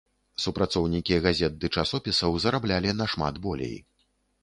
Супрацоўнікі газет ды часопісаў зараблялі нашмат болей.